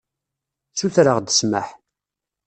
Sutreɣ-d ssmaḥ.